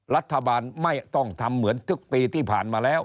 รัฐบาลไม่ต้องทำเหมือนทุกปีที่ผ่านมาแล้ว